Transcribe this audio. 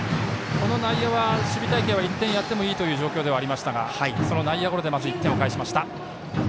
この内野は、守備隊形は１点やってもいいという形の守備隊形でしたがその内野ゴロで１点返しました。